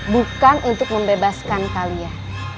bukan untuk membebaskan kalian